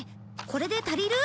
これで足りる？